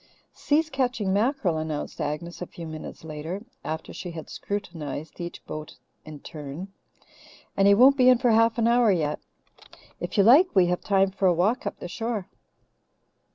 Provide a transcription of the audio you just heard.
Si's catching mackerel," announced Agnes a few minutes later, after she had scrutinized each boat in turn, "and he won't be in for an hour yet. If you like, we have time for a walk up the shore."